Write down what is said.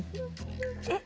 えっ？